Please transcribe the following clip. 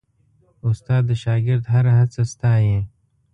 استاد د شاګرد هره هڅه ستايي.